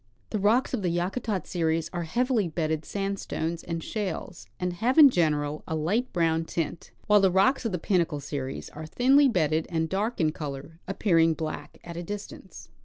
The rocks of the Yakutat series are heavily bedded sandstones and shales, and have in general a light brown tint ; while the rocks of the Pinnacle series are thinly bedded and dark in color, appearing black at a distance.